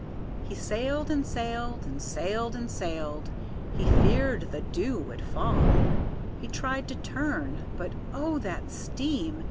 He sailed, and sailed, and sailed, and sailed, he feared the dew would fall He tried to turn, but oh, that steam!